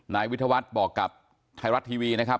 นายวิทยาวัฒน์บอกกับไทยรัฐทีวีนะครับ